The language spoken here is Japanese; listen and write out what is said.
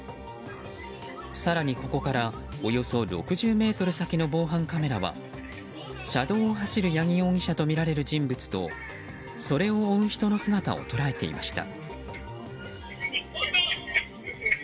更にここからおよそ６０ｍ先の防犯カメラは車道を走る八木容疑者とみられる人物とそれを追う人の姿を捉えていました。